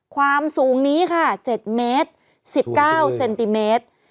ความสูงนี้ค่ะ๗เมตร๑๙เซนติเมตร